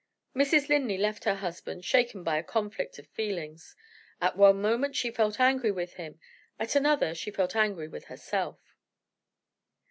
Mrs. Linley left her husband, shaken by a conflict of feelings. At one moment she felt angry with him; at another she felt angry with herself.